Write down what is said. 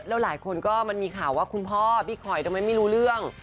แล้วหลายคนก็มันมีข่าวว่าคุณพ่อพี่คอยทำไมไม่รู้เรื่อง